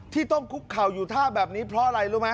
ที่ต้องคุกเข่าอยู่ท่าแบบนี้เพราะอะไรรู้ไหม